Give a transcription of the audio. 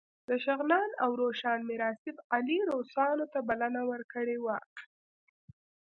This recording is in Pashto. د شغنان او روشان میر آصف علي روسانو ته بلنه ورکړې وه.